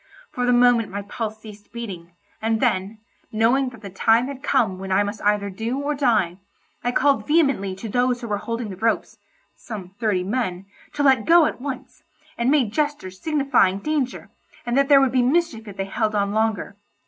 For the moment my pulse ceased beating, and then, knowing that the time had come when I must either do or die, I called vehemently to those who were holding the ropes (some thirty men) to let go at once, and made gestures signifying danger, and that there would be mischief if they held on longer.